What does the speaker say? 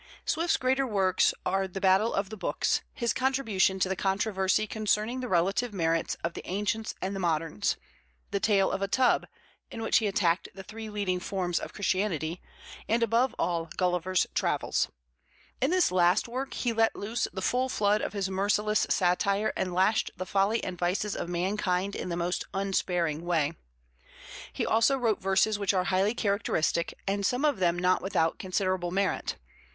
Swift's greater works are The Battle of the Books, his contribution to the controversy concerning the relative merits of the ancients and the moderns; the Tale of a Tub, in which he attacked the three leading forms of Christianity; and, above all, Gulliver's Travels. In this last work he let loose the full flood of his merciless satire and lashed the folly and vices of mankind in the most unsparing way. He also wrote verses which are highly characteristic and some of them not without considerable merit.